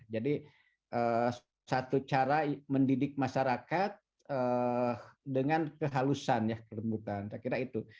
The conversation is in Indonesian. jadi satu cara mendidik masyarakat dengan kehalusan ya kira kira itu